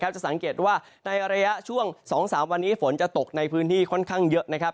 จะสังเกตว่าในระยะช่วง๒๓วันนี้ฝนจะตกในพื้นที่ค่อนข้างเยอะนะครับ